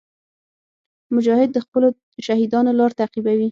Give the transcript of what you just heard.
مجاهد د خپلو شهیدانو لار تعقیبوي.